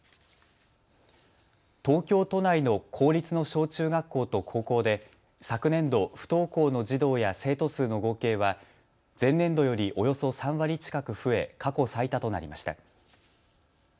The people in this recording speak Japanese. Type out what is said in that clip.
東京都内の公立の小中学校と高校で昨年度、不登校の児童や生徒数の合計は前年度よりおよそ３割近く増え過去最多となりました。